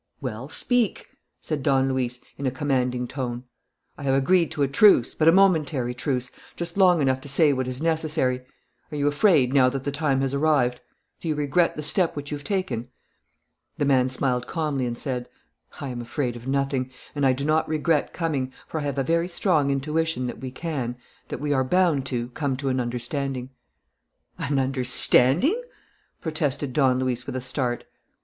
"Well? Speak!" said Don Luis, in a commanding tone. "I have agreed to a truce, but a momentary truce, just long enough to say what is necessary. Are you afraid now that the time has arrived? Do you regret the step which you have taken?" The man smiled calmly and said: "I am afraid of nothing, and I do not regret coming, for I have a very strong intuition that we can, that we are bound to, come to an understanding." "An understanding!" protested Don Luis with a start.